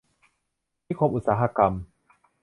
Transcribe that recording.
นิคมอุตสาหกรรม